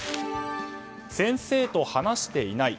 先生と話してない。